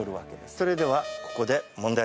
それではここで。